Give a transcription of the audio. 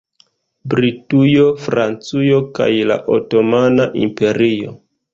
Britujo, Francujo kaj la Otomana Imperio.